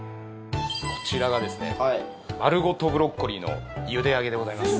こちらがですね丸ごとブロッコリーの茹で上げでございます。